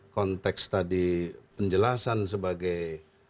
konteks tadi penjelasan sebagai